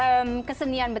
oh banyak ya